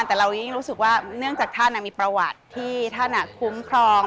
แต่เรายิ่งรู้สึกว่าเนื่องจากท่านมีประวัติที่ท่านคุ้มครอง